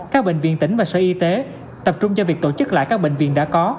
các bệnh viện tỉnh và sở y tế tập trung cho việc tổ chức lại các bệnh viện đã có